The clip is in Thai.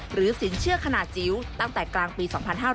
สินเชื่อขนาดจิ๋วตั้งแต่กลางปี๒๕๕๙